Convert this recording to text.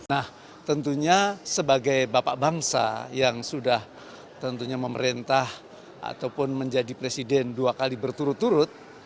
nah tentunya sebagai bapak bangsa yang sudah tentunya memerintah ataupun menjadi presiden dua kali berturut turut